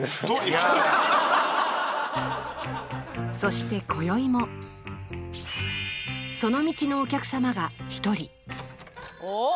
そして今宵もその道のお客様が１人おっ？